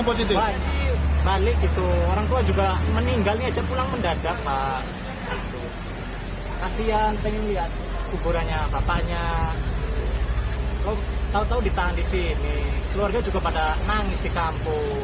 oh tahu tahu ditahan di sini keluarga juga pada nangis di kampung